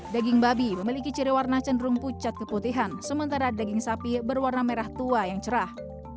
daging babi memiliki ciri warna cenderung pucat keputihan sementara daging sapi berwarna merah tua yang cerah